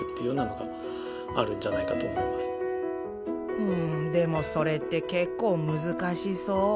うんでもそれって結構難しそう。